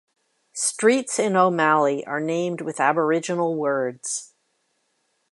Streets in O'Malley are named with Aboriginal words.